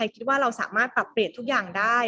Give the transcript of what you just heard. คิดว่าเราสามารถปรับเปลี่ยนทุกอย่างได้